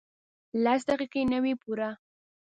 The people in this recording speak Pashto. لس دقیقې نه وې پوره.